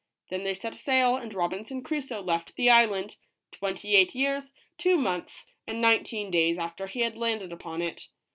Then they set sail, and Robinson Crusoe left the island, twenty eight years, two months, and nineteen days after he had landed upon it.